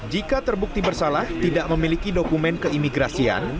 jika terbukti bersalah tidak memiliki dokumen keimigrasian